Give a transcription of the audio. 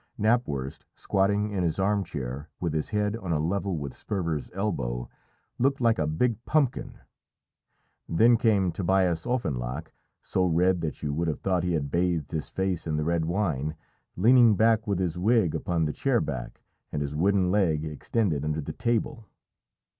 Knapwurst, squatting in his arm chair, with his head on a level with Sperver's elbow, looked like a big pumpkin. Then came Tobias Offenloch, so red that you would have thought he had bathed his face in the red wine, leaning back with his wig upon the chair back and his wooden leg extended under the table.